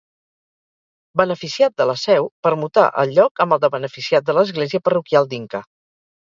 Beneficiat de la Seu, permutà el lloc amb el de beneficiat de l'església parroquial d'Inca.